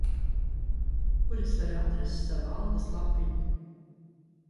Kur es varu atrast savu algas lapiņu?